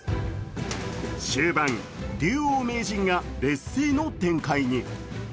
終盤、竜王名人が劣勢の展開に。